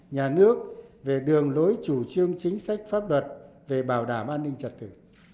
nhà nước về đường lối chủ trương chính sách pháp luật về bảo đảm an ninh trật tự